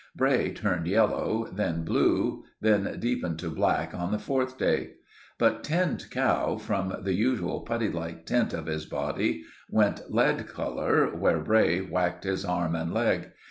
Bray turned yellow, then blue, that deepened to black on the fourth day; but Tinned Cow, from the usual putty like tint of his body, went lead colour where Bray whacked his arm and leg.